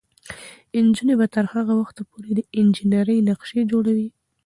نجونې به تر هغه وخته پورې د انجینرۍ نقشې جوړوي.